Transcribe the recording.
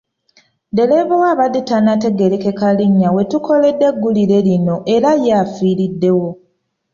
Ddereeva we abadde tannategeerekeka linnya we tukoledde eggulire lino era ye afiiriddewo.